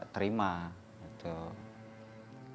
keluarganya itu sudah tidak terima